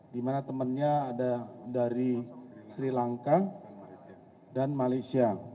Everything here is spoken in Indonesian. di mana temannya ada dari sri lanka dan malaysia